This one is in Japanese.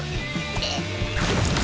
えっ？